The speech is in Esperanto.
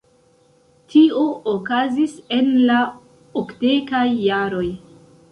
Tio okazis en la okdekaj jaroj.